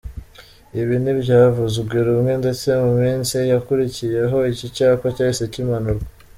Ibi ntibyavuzwe rumwe ndetse mu minsi yakurikiyeho, iki cyapa cyahise kimanurwa.